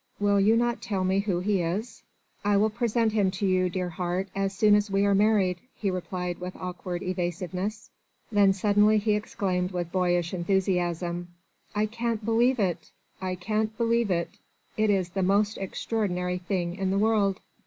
Will you not tell me who he is?" "I will present him to you, dear heart, as soon as we are married," he replied with awkward evasiveness. Then suddenly he exclaimed with boyish enthusiasm: "I can't believe it! I can't believe it! It is the most extraordinary thing in the world...."